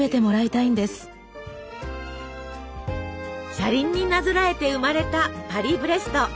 車輪になぞらえて生まれたパリブレスト。